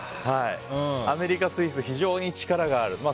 アメリカ、スイスは非常に力がある。